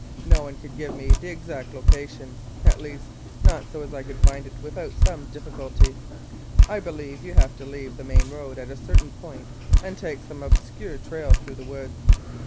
No one could give me just the exact location – at least not so as I could find it without some difficulty. I believe you have to leave the main road at a certain point and take some obscure trail through the woods.